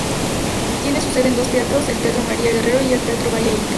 Tiene su sede en dos teatros: el Teatro María Guerrero y el Teatro Valle-Inclán.